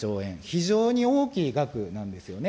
非常に大きい額なんですよね。